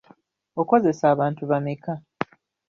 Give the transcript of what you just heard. Okozesa abantu bameka?